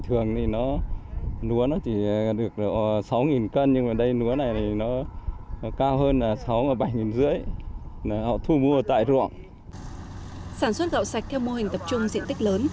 sản xuất gạo sạch theo mô hình tập trung diện tích lớn